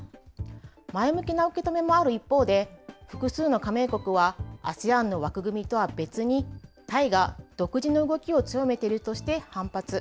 前向きな受け止めもある一方で、複数の加盟国は、ＡＳＥＡＮの枠組みとは別に、タイが独自の動きを強めているとして反発。